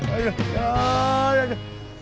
masih yang terlalu keren ya